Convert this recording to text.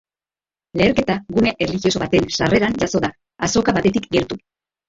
Leherketa gune erlijioso baten sarreran jazo da, azoka batetik gertu.